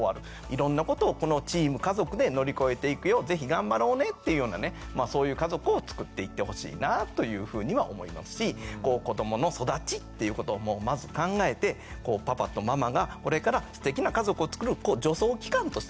いろんなことをこのチーム家族で乗り越えていくよ是非頑張ろうねっていうようなねそういう家族をつくっていってほしいなというふうには思いますし子どもの育ちっていうことをまず考えてパパとママがこれからすてきな家族をつくる助走期間としてね